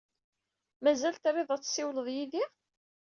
Mazal trid ad tessiwled yid-i?